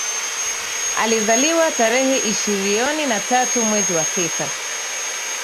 Alizaliwa tarehe ishirioni na tatu mwezi wa sita